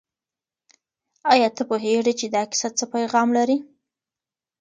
آیا ته پوهېږې چې دا کیسه څه پیغام لري؟